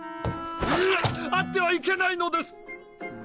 あってはいけないのです！